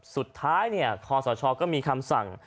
สุดท้ายเนี่ยคอสาชอก็มีคำสั่ง